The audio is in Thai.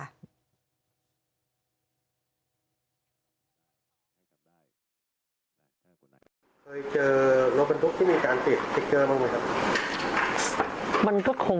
เคยเจอรถบรรทุกที่มีการติดสติ๊กเกอร์บ้างไหมครับ